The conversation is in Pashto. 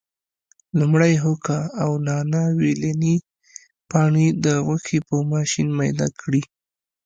لومړی هوګه او نانا ویلني پاڼې د غوښې په ماشین میده کړي.